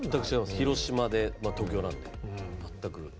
広島で東京なんで全く。